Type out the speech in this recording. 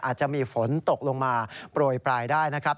อาจจะมีฝนตกลงมาโปรยปลายได้นะครับ